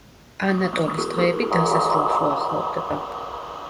ანატოლის დღეები დასასრულს უახლოვდება.